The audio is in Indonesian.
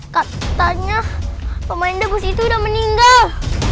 katanya pemain bagus itu udah meninggal